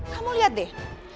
kamu liat deh